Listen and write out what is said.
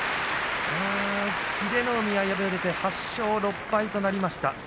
英乃海は敗れて８勝６敗となりました。